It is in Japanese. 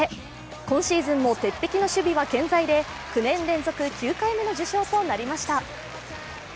今シーズンも鉄壁の守備は健在で９年連続９回目の受賞となりました。